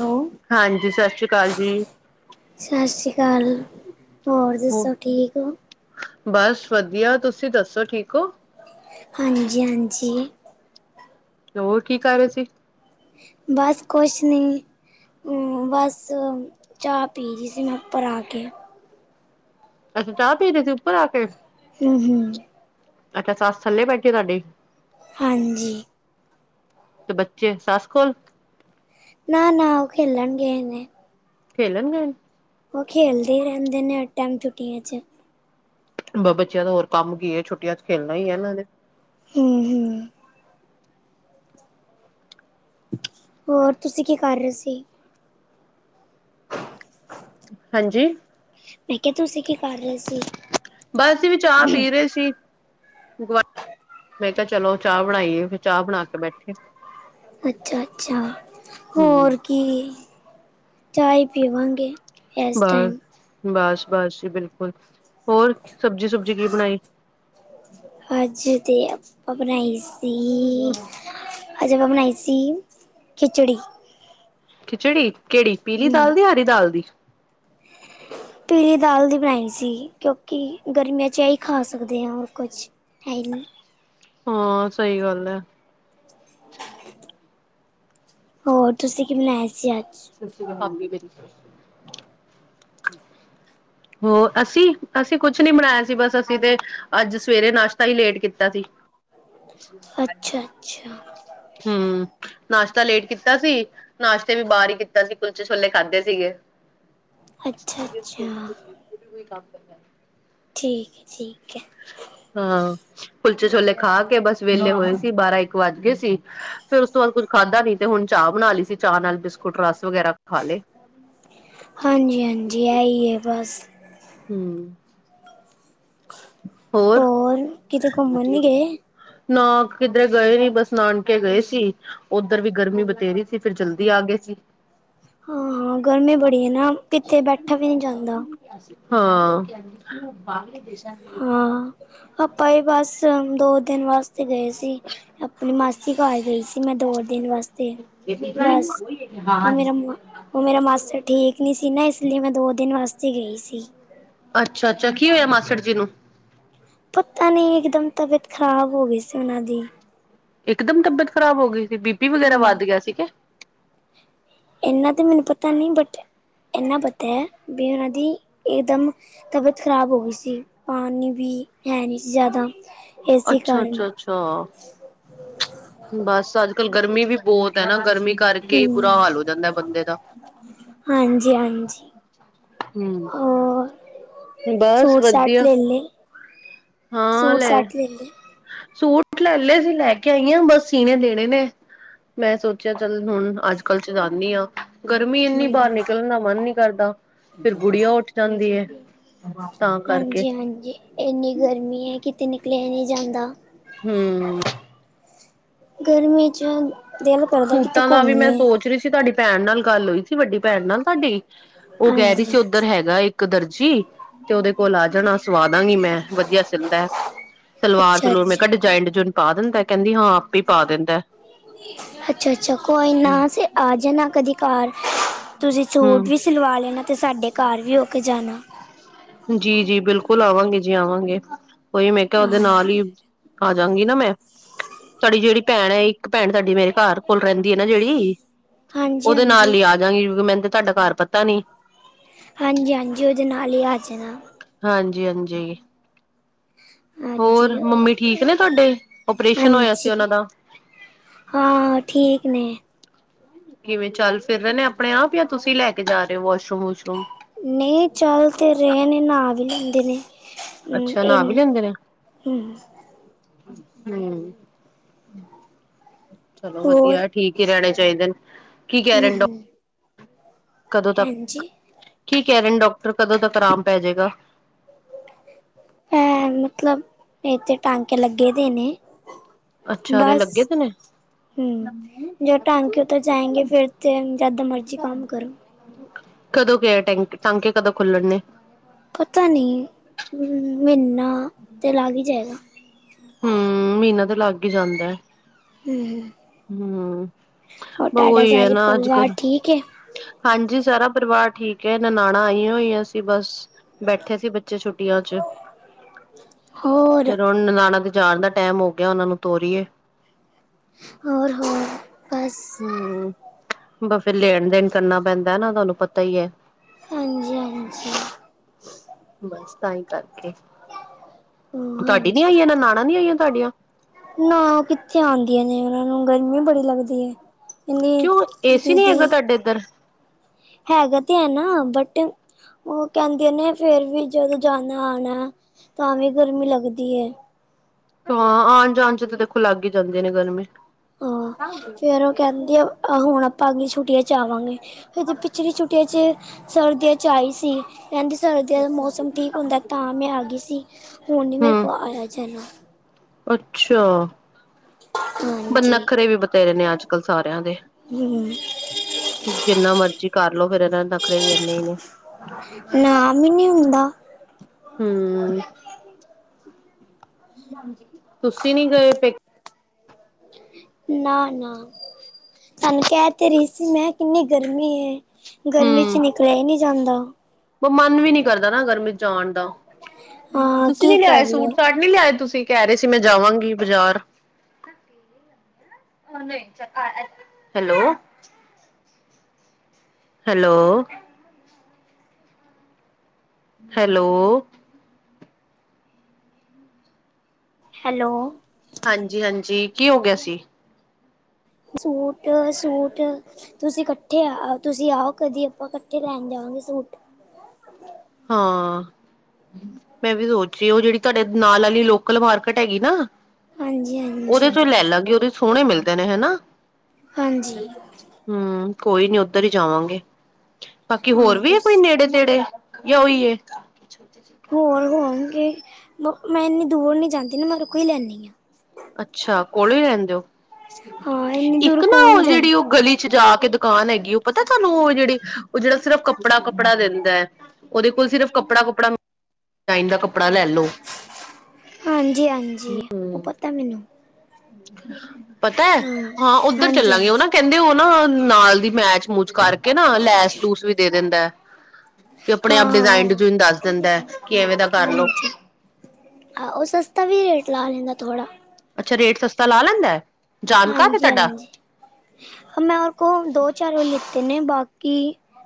Hello ਹਾਂਜੀ ਸਤਿ ਸ੍ਰੀ ਅਕਾਲ ਜੀ। ਸਤਿ ਸ਼੍ਰੀ ਅਕਾਲ ਹੋਰ ਹੋ ਦੱਸੋ ਠੀਕ ਹੋ। ਬਸ ਵਧੀਆ ਤੁਸੀਂ ਦੱਸੋ ਠੀਕ ਹੋ। ਹਾਂਜੀ ਹਾਂਜੀ। ਹੋਰ ਕੀ ਕਰ ਰਹੇ ਸੀ। ਬਸ ਕੁਛ ਨਹੀਂ? ਬਸ ਚਾਹ ਪੀ ਰਹੀ ਸੀ ਮੈਂ ਉੱਪਰ ਆ ਕੇ। ਅੱਛਾ ਚਾਹ ਪੀ ਰਹੇ ਸੀ ਉੱਪਰ ਆ ਕੇ। ਹੂ ਹੂ। ਅੱਛਾ ਸੱਸ ਥੱਲੇ ਬੈਠੇ ਤੁਹਾਡੀ। ਹਾਂਜੀ ਤੇ ਬੱਚੇ ਸੱਸ ਕੋਲ। ਨਾ-ਨਾ ਉਹ ਖੇਲਣਗੇ ਨੇ। ਖੇਲਣ ਗਏ। ਓਹ ਖੇਲਦੇ ਰਹਿੰਦੇ ਨੇ ਹਰ ਟਾਈਮ ਛੂਟੀਆਂ ਚ। ਬ ਬੱਚਿਆਂ ਦੇ ਹੋਰ ਕੰਮ ਕੀ ਏ ਛੁੱਟੀਆਂ ਚ ਖੇਲਣਾ ਹੀ ਹੈ ਇਹਨਾਂ ਨੇ। ਹੂ ਹੂ। ਹੋਰ ਤੁਸੀਂ ਕੀ ਕਰ ਰਹੇ ਸੀ। [unintelligible] ਹਾਂਜੀ। ਮੈਂ ਕਿਹਾ ਤੁਸੀਂ ਕੀ ਕਰ ਰਹੇ ਸੀ? ਬਸ ਅਸੀਂ ਵੀ ਚਾਹ ਪੀ ਰਹੇ ਸੀ। ਮੈਂ ਕਿਹਾ ਚਲੋ ਚਾਹ ਬਣਾਈ ਐ, ਫਿਰ ਚਾਹ ਬਣਾ ਕੇ ਬੈਠੇ। ਅੱਛਾ- ਅੱਛਾ ਹਮ ਹੋਰ ਕੀ ਚਾਹ ਹੀ ਪੀਵਾਂਗੇ। ਇਸ ਬਸ, ਟਾਈਮ ਬਸ-ਬਸ ਜੀ ਬਿਲਕੁਲ, ਹੋਰ ਸਬਜ਼ੀ-ਸੁਬਜੀ ਕੀ ਬਣਾਈ? ਅਜ ਦੀ ਆਪਾਂ ਬਣਾਈ ਸੀ। ਅਜੇ ਮੈਂ ਬਣਾਈ ਸੀ ਖਿਚੜੀ। ਖਿਚੜੀ ਕਿਹੜੀ ਪੀਲੀ ਹੂੰ ਦਾਲ ਦੀ ਹਰੀ ਦਾਲ ਦੀ। ਪੀਲੀ ਦਾਲ ਦੀ ਬਣਾਈ ਸੀ, ਕਿਉਂਕਿ ਗਰਮੀਆਂ ਚ ਇਹੀ ਖਾ ਸਕਦੇ ਹਾਂ ਹੋਰ ਕੁਝ ਹੈਲ ਹਾਂ, ਸਹੀ ਗੱਲ ਹੈ। [inaudible] ਹੋਰ ਤੁਸੀਂ ਕੀ ਮਨਾਇਆ ਸੀ ਅੱਜ? [unintelligible] ਹੋ ਅਸੀਂ, ਅਸੀਂ ਕੁਛ ਨਹੀਂ ਬਣਾਇਆ ਸੀ! ਬਸ ਅਸੀਂ ਤੇ ਅੱਜ ਸਵੇਰੇ ਨਾਸ਼ਤਾ ਹੀ ਲੇਟ ਕੀਤਾ ਸੀ। ਅੱਛਾ ਅੱਛਾ ਹੂੰ, ਨਾਸ਼ਤਾ ਲੇਟ ਕੀਤਾ ਸੀ, ਨਾਸ਼ਤੇ ਵੀ ਬਾਹਰ ਹੀ ਕੀਤਾ ਸੀ ਕੁਲਚੇ-ਛੋਲੇ ਖਾਧੇ ਸੀਗੇ। ਅੱਛਾ ਅੱਛਾ ਉਹੀ ਕਾਫ ਹੈ। ਠੀਕ, ਠੀਕ ਹੈ। ਹਾਂ, ਕੁਲਚੇ ਛੋਲੇ ਖਾ ਕੇ ਬਸ ਵੇਹਲੇ ਹੋਏ ਸੀ ਬਾਰਾਂ-ਇੱਕ ਵੱਜ ਗਏ ਸੀ। ਫੇਰ ਉਸ ਤੋਂ ਬਾਅਦ ਕੁੱਝ ਖਾਧਾ ਨੀ ਤੇ ਹੁਣ ਚਾਹ ਬਣਾ ਲਈ ਸੀ ਚਾਹ ਨਾਲ ਬਿਸਕੁਟ, ਰਸ ਵਗੈਰਾ ਖਾ ਲਏ। ਹਾਂਜੀ ਹਾਂਜੀ ਹੈ ਹੀ ਹੈ ਬਸ ਹੂੰ। ਹੋਰ, ਕਿਤੇ ਘੁੰਮਣ ਵਧੀਆ। ਨੀ ਗਏ ਨਾ ਕਿਧਰੇ ਗਏ ਨੀ, ਬਸ ਨਾਨਕੇ ਗਏ ਸੀ। ਓਧਰ ਵੀ ਗਰਮੀ ਬਥੇਰੀ ਸੀ ਫਿਰ ਜਲਦੀ ਆ ਗਏ ਸੀ ਹਾਂ, ਹਾਂ ਗਰਮੀ ਬੜੀ ਹੈ, ਨਾ, ਕਿਤੇ ਬੈਠਾ ਵੀ ਨਹੀਂ ਜਾਂਦਾ। ਹਾਂ ਹਾਂ, ਆਪਾ ਹੀ ਬਸ ਦੋ-ਦਿਨ ਵਾਸ ਗਏ ਸੀ ਆਪਣੀ ਮਾਸੀ ਘਰ ਗਈ ਸੀ ਮੈਂ ਦੋ ਦੇਣ ਵਾਸਤੇ ਬਸ ਉਹ ਮੇਰਾ ਮ ਉਹ ਮੇਰਾ ਮਾਸ ਠੀਕ ਨੀ ਸੀ ਨਾ ਇਸ ਲਈ ਮੈਂ ਦੋ ਦਿਨ ਵਾਸਤੇ ਗਈ ਸੀ। ਅੱਛਾ-ਅੱਛਾ, ਕੀ ਹੋਇਆ ਮਾਸਟਰ ਜੀ ਨੂੰ? ਪਤਾ ਨਹੀਂ ਇਕਦਮ ਤਬੀਅਤ ਖ਼ਰਾਬ ਹੋ ਗਈ ਸੀ ਉਹਨਾਂ ਦੀ। ਇਕਦਮ ਤਬੀਅਤ ਖਰਾਬ ਹੋ ਗਈ ਸੀ ਬੀਪੀ ਵਗੈਰਾ ਹੂੰ ਵੱਧ ਗਿਆ ਸੀਗਾ। ਇਨਾ ਤਾਂ ਮੈਨੂੰ ਪਤਾ ਨਹੀਂ, ਬਟ ਇੰਨਾ ਪਤਾ ਹੈ ਵੀ ਉਹਨਾਂ ਦੀ ਇਕਦਮ ਤਬੀਅਤ ਖ਼ਰਾਬ ਹੋ ਗਈ ਸੀ, ਪਾਣੀ ਵੀ ਹੈ ਨਹੀਂ ਸੀ ਜ਼ਿਆਦਾ। ਇਸੇ ਅੱਛਾ, ਕਾਰਨ ਅੱਛਾ, ਅੱਛਾ! ਬਸ ਅੱਜ ਕੱਲ ਗਰਮੀ ਵੀ ਬਹੁਤ ਹੈ ਨਾ। ਗਰਮੀ ਕਰਕੇ ਹੀ ਬੁਰਾ ਹਾਲ ਹੋ ਜਾਂਦਾ ਬੰਦੇ ਦਾ। ਹਾਂਜੀ, ਹਾਂਜੀ ਹੂੰ। ਹੋਰ ਬਸ ਸੂਟ ਸੈਟ ਵਧੀਆ ਲੇ ਲੇ। ਹਾਂ ਸੂਟ ਲੈ ਸੈਟ ਲ ਲੇ। ਸੂਟ ਲੈ ਲਏ ਸੀ ਲੈ ਕੇ ਆਈਆਂ ਬਸ ਸੀਣੇ ਦੇਣੇ ਨੇ ਮੈਂ ਸੋਚਿਆ ਚੱਲ ਹੁਣ ਅੱਜ ਕੱਲ ਚ ਜਾਂਦੀ ਹਾਂ ਗਰਮੀ ਇੰਨੀ ਬਾਹਰ ਹੂੰ। ਨਿਕਲਣ ਦਾ ਮਨ ਨਹੀਂ ਕਰਦਾ, ਫਿਰ ਗੁੜੀੀਆਂ ਉੱਠ ਜਾਂਦੀ ਹੈ। ਹਾਂਜੀ ਹਾਂਜੀ ਇੰਨੀ ਗਰਮੀ ਹੈ ਕਿਤੇ ਨਿਕਲਿਆ ਨਹੀਂ ਜਾਂਦਾ। ਹੂ। ਗਰਮੀ ਚ ਦਿਲ ਕਰਦਾ ਕਿਤੇ ਸੂਟਾਂ ਦਾ ਵੀ ''ਮੈਂ ਘੁੰਮੀਏ ਸੋਚ ਰਹੀ ਸੀ ਤੁਹਾਡੀ ਭੈਣ ਨਾਲ ਗੱਲ ਹੋਈ ਸੀ ਵੱਡੀ ਭੈਣ ਨਾਲ ਤੁਹਾਡੀ ਉਹ ਕਹਿ ਰਹੀ ਹਾਂਜੀ। ਸੀ ਉੱਧਰ ਹੈਗਾ ਇੱਕ ਇੱਕ ਦਰਜੀ ਤੇ ਉਹਦੇ ਕੋਲ ਆ ਜਾਣਾ ਸਵਾਦਾਂਗੀ ਮੈਂ ਵਧੀਆ ਸਿਲਦਾ ਹੈ। ਸਲਵਾਰ-ਸੁਲਵੁਰ ਮੈਂ ਅੱਛਾ-ਅੱਛਾ, ਕਿਹਾ ਡਿਜ਼ਾਇਨ-ਡੁਜੈਨ ਪਾ ਦਿੰਦਾ, ਕਹਿੰਦੀ ਹਾਂ ਆਪੇ ਹੀ ਪਾ ਦਿੰਦਾ। ਅੱਛਾ-ਅੱਛਾ, ਕੋਈ ਨਾ ਆ ਜਾਣਾ ਕਦੀ ਘਰ ਤੁਸੀਂ ਸੂਟ ਹਮ ਵੀ ਸਿਲਵਾ ਲੈਣਾ ਅਤੇ ਸਾਡੇ ਘਰ ਵੀ ਹੋ ਕੇ ਜਾਣਾ। ਜੀ-ਜੀ, ਬਿਲਕੁਲ ਆਵਾਂਗੇ ਜੀ, ਆਵਾਂਗੇ ਉਈ ਮੈਂ ਕਿਹਾ ਉਹਦੇ ਹਾਂ। ਨਾਲ ਹੀ ਆ ਜਾਗੀ ਨਾ ਮੈਂ, ਤੁਹਾਡੀ ਜਿਹੜੀ ਭੈਣ ਹੈ, ਇੱਕ ਭੈਣ ਸਾਡੀ ਮੇਰੇ ਘਰ ਕੋਲ ਰੈਂਦੀ ਹੈ ਨਾ ਜਿਹੜੀ ਉਹਦੇ ਨਾਲ ਹਾਂਜੀ-ਹਾਂਜੀ, ਲ ਆਜਾਗੀ ਕਿ ਮੈਨੂੰ ਤੇ ਤੁਹਾਡਾ ਘਰ ਪਤਾ ਨੀ ਹਾਂਜੀ ਹਾਂਜੀ ਉਹਦੇ ਨਾਲ ਹੀ ਆੱ ਜਾਣਾ ਹਾਂਜੀ-ਹਾਂਜੀ। ਹੋਰ ਹਾਂਜੀ, ਮੰਮੀ ਠੀਕ ਨੇ ਤੁਹਾਡੇ, ਆਪਓਰੇਸ਼ਨ ਹੋਇਆ ਹਾਂਜੀ ਸੀ ਉਹਨਾਂ ਦਾ। ਹਾਂ ਠੀਕ ਨੇ ਕਿਵੇਂ ਚੱਲ ਫਿਰ ਰਹੇ ਨੇ, ਆਪਣੇ ਆਪ- ਜਾਂ ਤੁਸੀਂ ਲੈ ਕੇ ਜਾ ਰਹੇ ਹੋ? ਵਾਸ਼ਰੂਮ ਵੂਸ਼ਰੂਮ। ਨਹੀਂ ਚੱਲ ਤੇ ਰਹਿ ਨੇ ਨਾਹਾ ਵੀ ਲੈਂਦੇ ਨੇ। ਹਮ ਅੱਛਾ ਨਹਾਂ ਇਨ ਵੀ ਲੈਂਦੇ ਨੇ? ਹਮ ਹੂੰ, ਚਲੋ ਹੋਰ ਵਧੀਆ। ਠੀਕ ਹੀ ਰਹਿਣੇ ਚਾਹੀਦੇ ਨੇ ਕੀ ਕਹਿ ਹਮ ਰਹੇ ਨੇ? ਹਮ ਕਦੋਂ ਤੱਕ? ਹਾਂਜੀ ਕੀ ਕਹਿ ਰਹੇਨ ਡੌਕਟਰ ਕਦੋ ਤੱਕ ਆਰਾਮ ਪੈਜੇਗਾ? ਹੈਂ! ਮਤਲਬ ਇਥੇ ਟਾਂਕੇ ਲੱਗੇ ਦੇ ਨੇ। ਅੱਛਾ! ਅਰੇ ਬਸ ਲੱਗੇ ਪੲਏ ਹਮ ਜੋ ਟਾਂਕੇ ਤੇ ਜਾਏਗੇ ਫੇਰ ਤੇ ਜਦ ਮਰਜ਼ੀ ਕੰਮ ਕਰੋ। ਕਦੋਂ ਗ ਟ ਟਾਂਕੇ ਕਦੋਂ ਖੁੱਲਣ ਨੇ? ਪਤਾ ਨਹੀਂ ਮਹੀਨਾ ਤਾਂ ਲੱਗ ਹੀ ਜਾਏਗਾ। ਹੂੰ, ਮਹੀਨਾ ਤਾਂ ਲੱਗ ਹੀ ਜਾਂਦਾ ਹੈ। ਹਮ ਹੋਰ ਬ ਤੁਹਾਡਾ ਉਹੀ ਹੈ ਸਾਰੇ ਨਾ ਪਰਿਵਾਰ ਅੱਜਕਲ ਠੀਕ ਹੈ ਹਾਂਜੀ ਸਾਰਾ ਪਰਿਵਾਰ ਠੀਕ ਏ ਨਨਾਣਾ ਆਈਆਂ ਹੋਈਆਂ ਸੀ ਬਸ। ਬੈਠੇ ਸੀ ਬੱਚੇ ਛੁੱਟੀਆਂ ਚ ਹੋਰ ਚਲੋ ਹੁਣ ਨਨਾਣਾ ਤੇ ਜਾਣ ਦਾ ਟਾਈਮ ਹੋਗਿਆ, ਉਹਨਾਂ ਨੂੰ ਤੋਰੀਏ। ਹੋਰ ਹੋਰ ਬਸ ਹੂੰ, ਬ ਫੇਿਰ ਲੈਣ-ਦੇਣ ਕਰਨਾ ਪੈਂਦਾ ਨਾ ਤੁਹਾਨੂੰ ਪਤਾ ਹੀ ਹੈ। ਹਾਂਜੀ-ਹਾਂਜੀ। ਬਸ ਤਾਂਹੀ ਕਰਕੇ। ਤੁਹਾਡੀ ਨੀ ਹਾਂਜੀ ਆਈ ਏ, ਨਣਾਨਾਂ ਨੀ ਆਈਆਂ ਤੁਹਾਡੀਆਂ? ਨਾ, ਕਿੱਥੇ ਆਉਂਦੀਆਂ ਨੇ ਉਹਨਾਂ ਨੂੰ ਗਰਮੀ ਬੜੀ ਲੱਗਦੀ ਹੈ। ਇਨੀ ਕਿਉਂ ਏਸੀ ਨੀ ਹੈਗਾ ਦੀਦੀ ਤੁਹਾਡੇ ਇੱਧਰ ਹੈਗਾ ਤੇ ਹੈ ਨਾ ਬਟ, ਉਹ ਕਹਿੰਦੇ ਨੇ ਫੇਰ ਵੀ ਜਦੋਂ ਜਾਣਾ-ਆਣਾ ਤਾਂ ਵੀ ਗਰਮੀ ਲੱਗਦੀ ਹੈ। ਹਾਂ ਆਨ ਜਾਣ ਚ ਤਾਂ ਦੇਖੋ ਲੱਗ ਹੀ ਜਾਂਦੇ ਨੇ ਗਰਮੀ। ਹਾਂ ਫੇਰ ਉਹ ਕਹਿੰਦੀ ਆ ਹੁਣ ਆਪਾਂ ਅਗਲੀਆਂ ਛੁੱਟੀਆਂ ਚ ਆਵਾਂਗੇ ਫਿਰ ਪਿਛਲੀ ਛੁੱਟੀ ਤੇ 'ਜੇ ਸਰਦੀਆਂ 'ਚ ਆਈ ਸੀ, ਕਹਿੰਦੀ ਸਰਦੀਆਂ ਦਾ ਮੌਸਮ ਠੀਕ ਹੁੰਦਾ। ਤਾਂ ਮੈਂ ਆ ਗਈ ਸੀ। ਹੁਣ ਨੀ ਮੇਰੇ ਹੂੰ ਕੋ ਆਯਾਜਾਣਾ। ਅੱਛਾ! ਬ ਹਾਂਜੀ ਨੱਖਰੇ ਵੀ ਬਥੇਰੇ ਨੇ ਅੱਜ-ਕੱਲ੍ਹ ਸਾਰਿਆਂ ਦੇ। [inaudible] ਜਿੰਨਾ ਮਰਜੀ ਕਰਲੋ ਫੇਿ਼ਰ ਇਹਨਾਂ ਦੇ ਨਖਰੇ ਵੀ ਇਨੇ ਹੀ ਨੇ। ਕੰ ਨਹੀਂ ਹੁੰਦਾ [unintelligible] ਹੂ। ਤੁਸੀਂ ਨੀ ਗਏ ਪੇਕ? ਨਾ-ਨਾ ਥਾਨੂੰ ਕਹਿ ਤੇ ਰਹੀ ਸੀ ''ਮੈਂ, ਕਿੰਨੀ ਗਰਮੀ ਏ। ਗਰਮੀ ਚ ਨਿਕਲਿਆ ਹੀ ਨਹੀਂ ਜਾਂਦਾ। ਮ ਮਨ ਵੀ ਨੀ ਕਰਦਾ ਨਾ ਗਰਮੀ ਜਾਣ ਦਾ ਹਾਂ ਤੁਸੀਂ ਕੀ ਨੀ ਲਿਆਏ ਕਰੀਏ ਸੂਟ ਸਾਟ ਨੀ ਲਿਆਏ ਤੁਸੀ ਕਹਿ ਰਹੇ ਸੀ ਮੈਂ ਜਾਵਾਂਗੀ ਬਾਜ਼ਾਰ। ਹੈਲੋ! ਹੈਲੋ। ਹੈਲੋ। ਹੈਲੋ। ਹਾਂਜੀ ਹਾਂਜੀ ਕੀ ਹੋ ਗਿਆ ਸੀ। ਸੂਟ- ਸੂਟ ਤੁਸੀਂ ਇਕੱਠੇ ਆ ਤੁਸੀਂ ਆਓ ਕਦੀ, ਆਪਾਂ ਇਕੱਠੇ ਲੈਣ ਜਾਵਾਂਗੇ ਸੂਟ। ਹਾਂ। ਮੈਂ ਵੀ ਸੋਚ ਰਹੀ, ਉਹ ਜਿਹੜੀ ਤੁਹਾਡੇ ਨਾਲ ਵਾਲੀ ਲੋਕਲ ਮਾਰਕੀਟ ਹੈਗੀ ਨਾ। ਹਾਂਜੀ ਉਹਦੇ ਹਾਂਜੀ ਤੋਂ ਲੈ ਲਾਗੀ। ਉਹਦੇ ਸੋਹਣੇ ਮਿਲਦੇ ਨੇ ਹੈਨਾ। ਹਾਂਜੀ। ਹੂ, ਕੋਈ ਨੀ ਉੱਧਰ ਹੀ ਜਾਵਾਂਗੇ। ਬਾਕੀ ਹੋਰ ਹਾਂ ਵੀ ਹੈ ਕੋਈ ਤੁਸੀਂ ਨੇੜੇ ਤੇੜੇ। ਯਾ ਓਹੀ ਹੈ। ਹੋਰ ਹੋਣਗੇ ਮ ਮੈਂ ਇਨੀ ਦੂਰ ਨਹੀਂ ਜਾਂਦੀ ਨਾ‌। ਮੈਂ ਏਦੇ ਕੋਲੋ ਹੀ ਲੈਂਦੀ ਹਾਂ। ਅੱਛਾ ਕੋਲੋਂ ਹੀ ਰਹਿੰਦੇ ਹੋ। ਹਾਂ ਇੰਨੀ ਇੱਕ ਦੂਰ ਨਾ ਉਹ ਕੌਣ ਜਾਏ ਜਿਹੜੀ ਉਹ ਗਲੀ, ਵਿੱਚ ਜਾ ਕੇ ਦੁਕਾਨ ਹੈਗੀ, ਉਹ ਪਤਾ ਤੁਹਾਨੂੰ ਉਹ ਜਿਹੜੀ, ਉਹ ਜਿਹੜਾ ਸਿਰਫ਼ ਕੱਪੜਾ, ਕੱਪੜਾ ਦਿੰਦਾ। ਉਹਦੇ ਕੋਲ ਸਿਰਫ਼ ਕੱਪੜਾ, ਕੁੱਪੜਾ? ਡਿਜਾਈਨ ਦਾ ਕੱਪੜਾ ਲੈ ਲਓ। ਹਾਂਜੀ- ਹਾਂਜੀ ਉਹ ਪਤਾ ਮੈਨੂੰ। ਪਤਾ ਹੈ ਹਾਂ ਉੱਧਰ ਹਾਂਜੀ ਹਾਂਜੀ ਚੱਲਾਂਗੇ ਉਹ ਨਾ ਕਹਿੰਦੇ ਉਹ ਨਾ ਨਾਲ ਦੀ ਮੈਚ ਮੂਜ ਕਰਕੇ ਨਾ ਲੈਸ- ਲੂਸ ਵੀ ਦੇ ਦਿੰਦਾ ਹੈ, ਤੇ ਆਪਣੇ ਹਾਂ ਆਪ ਹਾਂ ਡਿਜ਼ਾਇਨ-ਡੁ- ਦੱਸ ਦਿੰਦਾ ਐ, ਕਿ ਐਵੇਂ ਦਾ ਕਰ ਲਓ ਆਹ, ਉਹ ਸਸਤਾ ਵੀ ਰੇਟ ਲਾ ਲੈਂਦਾ ਥੋੜਾ। ਅੱਛਾ, ਰੇਟ ਸਸਤਾ ਲਾ ਲੈਂਦਾ? ਜਾਣਕਾਰ ਹੈ ਹਾਂਜੀ- ਤੁਹਾਡਾ ਹਾਂਜੀ। ਹ ਮੈਂ ਉਹਰ ਕੋ, ਦੋ ਚਾਰ ਹੀ ਲਿਖਤੇ ਨੇ ਬਾਕੀ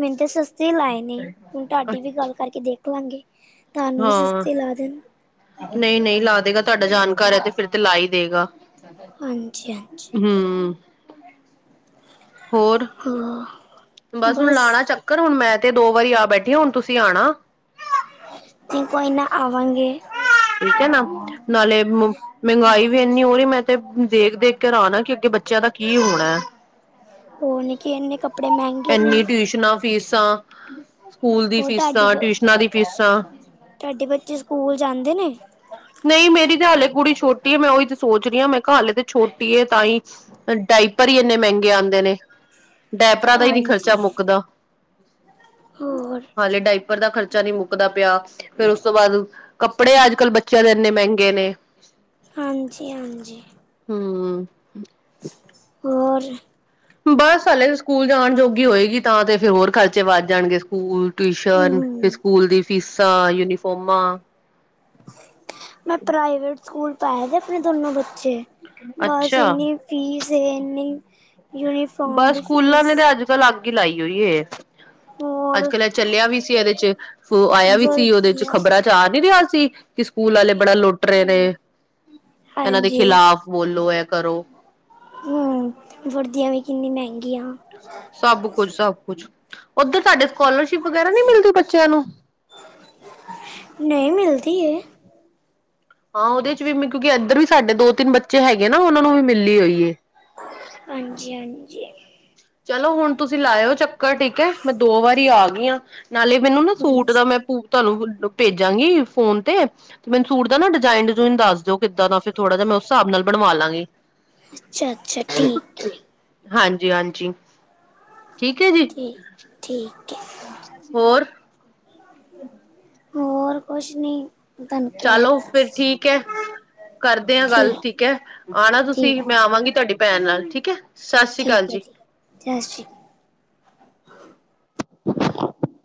ਮੈਨ ਤੇ ਸ- ਸੇਮ ਲਾਏ ਨੇ, ਹੁਣ ਤੁਹਾਡੀ ਵੀ ਗੱਲ ਕਰਕੇ ਦੇਖ ਲਾਂਗੀ। ਹਾਂ। ਨਹੀਂ- ਨਹੀਂ ਲਾ ਦੇਗਾ, ਤੁਹਾਡਾ ਜਾਣਕਾਰ ਹੈ ਤੇ ਫੇਰ ਤੇ ਲਾ ਹੀ ਦੇਗਾ। ਹਾਂਜੀ ਹਾਂਜੀ ਹੂੰ, ਹੋਰ? ਹਾਂ ਬਸ ਹੁਣ ਲਾਉਣਾ ਚੱਕਰ, ਹੁਣ ਮੈਂ ਤੇ ਦੋ ਵਾਰੀ ਆ ਬੈਠੀ ਹਾਂ। ਹੁਣ ਤੁਸੀਂ ਆਉਣਾ। ਜੀ ਕੋਈ‌ ਨਾ, ਆਵਾਂਗੇ। ਠੀਕ ਹੈ ਨਾ, ਨਾਲੇ ਮਹਿੰਗਾਈ ਵੀ ਨੀ ਉਹ ਹੀ, ਮੈਂ ਤੇ ਦੇਖ- ਦੇਖ ਕੇ ਹੈਰਾਣ ਹਾਂ ਕਿ ਅੱਗੇ ਬੱਚਿਆਂ ਦਾ ਕੀ ਹੋਣਾ ਹੈ? ਹੋਰ, ਨੀ ਕੀ ਇੰਨੇ ਕੱਪੜੇ ਮਹਿੰਗੇ। ਇੰਨੀ ਨੇ ਟਿਊਸ਼ਨਾਂ ਫੀਸਾਂ ਸਕੂਲ ਦੀ ਹੋਰ ਤੁਹਾਡੀ ਫੀਸਾਂ, ਟਿਊਸ਼ਨਾਂ ਦੀ ਫੀਸਾਂ। ਤੁਹਾਡੇ ਬੱਚੇ ਸਕੂਲ ਜਾਂਦੇ ਨੇ? ਨਹੀਂ ਮੇਰੀ ਤੇ ਹਲੇੇ ਕੁੜੀ ਛੋਟੀ ਹੈ। ਮੈਂ ਉਹੀ ਤੇ ਸੋਚ ਰਹੀ, ਮੈਂ ਕਿਹਾ ਹਲੇ ਤੇ ਛੋਟੀ ਟੀਏ ਤਾਂ ਹੀ ਡਾਇਪਰ ਹੀ ਇੰਨੇ ਮਹਿੰਗੇ ਆਉਂਦੇ ਨੇ। ਡਾਇਪਰਾਾਂ ਦਾ ਹੀ ਨਹੀਂ ਖਰਚਾ ਹਾਂਜੀ ਮੁੱਕਦਾ, ਹੋਰ ਹਾਲੇ ਡਾਇਪ ਉੱਪਰ ਦਾ ਖਰਚਾ ਨਹੀਂ ਮੁੱਕਦਾ ਪਿਆ। ਫੇਰ ਉਸ ਤੋਂ ਬਾਅਦ ਕੱਪੜੇ ਅੱਜ ਕੱਲ ਬੱਚਿਆਂ ਦੇ ਇੰਨੇ ਮਹਿੰਗੇ ਨੇ। ਹਾਂਜੀ- ਹਾਂਜੀ। ਹੂੰ। ਹੋਰ? ਬਸ ਹਲੇ ਸਕੂਲ ਜਾਣ ਜੋਗੀ ਹੋਏਗੀ ਤਾਂ, ਤੇ ਫੇਰ ਹੋਰ ਖਰਚੇ ਵੱਧ ਜਾਣਗੇ। ਸਕੂਲ, ਟਿਊਸ਼ਨ ਫੇਰ ਹਮ ਸਕੂਲ ਦੀ ਫੀਸਾਂ, ਯੂਨੀਫੋਮਾਂ, ਮੈਂ ਪ੍ਰਾਈਵੇਟ ਸਕੂਲ ਪ ਪਾਏ ਦੇ, ਦੋਨੋ ਬੱਚੇ, ਬਸ ਅੱਛਾ ਇੰਨੀ ਫੀਸ ਹੈ ਇੰਨੀ ਯੂਨੀਫਾਰਮ ਦੀ ਫੀਸ ਅਲੱਗ ਹੀ ਲਾਈ ਹੋਈ ਹੂਈ ਹੈ, ਹੋਰ ਅੱਜ ਕੱਲ ਇਹ ਚੱਲਿਆ ਵੀ ਸੀ ਇਹਦੇ ਚ- ਉਹ ਆਇਆ ਵੀ ਸੀ, ਉਹਦੇ ਚ ਵਰਦੀਆਂ ਖ਼ਬਰਾਂ ਚ ਆ ਨਹੀਂ ਰਿਹਾ ਸੀ। ਕਿ ਸਕੂਲ ਵਾਲੇ ਬੜਾ ਲੁੱਟ ਰਹੇ ਨੇ। ਇਹਨਾਂ ਦੇ ਹਾਂਜੀ ਖਿਲਾਫ਼ ਬੋਲੋ ਇਹ ਕਰੋ। ਹੂੰ, ਵੁਰਦੀਆਂ ਵੀ ਕਿੰਨੀ ਮਹਿੰਗੀਆਂ। ਸਭ ਕੁਛ- ਸਭ ਕੁਛ ਉੱਧਰ ਤੁਹਾਡੇ ਸਕੋਲਰਸ਼ਿਪ ਵਗੈਰਾ ਨਹੀਂ ਮਿਲਦੀ ਬੱਚਿਆਂ ਨੂੰ ਨਹੀਂ, ਮਿਲਦੀ ਇਹ। ਹਾਂ ਉਹਦੇ ਚ ਵੀ ਕਿਉਂਕਿ ਇੱਧਰ ਵੀ ਸਾਡੇ ਦੋ, ਤਿੰਨ ਬੱਚੇ ਹੈਗੇ ਨਾ, ਉਹਨਾ ਨੂੰ ਵੀ ਮਿਲੀ ਹੋਈ ਹੈ। ਹਾਂਜੀ- ਹਾਂਜੀ। ਚਲੋ ਹੁਣ ਤੁਸੀਂ ਲਾਇਓ ਚੱਕਰ ਠੀਕ ਹੈ। ਮੈਂ ਦੋ ਵਾਰੀ ਆ ਗਈ ਹਾਂ। ਨਾਲੇ ਮੈਨੂੰ ਨਾ ਸੂਟ ਹਾਂਜੀ ਦਾ। ਮੈਂ ਭੂ ਤੁਹਾਨੂੰ ਭੇਜਾਂਗੀ ਫੋਨ ਤੇ, ਤੇ ਮੈਨੂੰ ਸੂਟ ਦਾ ਨਾ ਡਿਜ਼ਾਇਨ- ਡਿਜੂਨ ਦੱਸ ਦਿਓ। ਕਿੱਦਾਂ ਦਾ। ਫੇਰ ਥੋੜਾ ਜਿਹਾ ਮੈਂ ਉਸ ਹਿਸਾਬ ਨਾਲ ਬਣਵਾ ਲਾਂਗੀ। ਅੱਛਾ ਅੱਛਾ ਠੀਕ ਹੈ ਹਾਂਜੀ ਜੀ ਹਾਂਜੀ ਠੀਕ ਹੈ ਜੀ, ਠੀਕ ਹੈ। ਹੋਰ? ਹਾਂ ਹੋਰ ਕੁਛ ਨੀ। ਚਲੋ ਫੇਰ ਠੀਕ ਹੈ। ਕਰਦੇ ਹ ਗੱਲ ਠੀਕ ਹੈ, ਆਉਣਾ ਠੀਕ ਤੁਸੀਂ। ਮੈਂ ਆਵਾਂਗੀ ਤੁਹਾਡੀ ਭੈਣ ਨਾਲ ਠੀਕ ਹੈ। ਸਤਿ ਸ੍ਰੀ ਅਕਾਲ ਠੀਕ ਹੈ ਜੀ ਸਤਿ ਸ਼੍ਰੀ ਅਕਾਲ।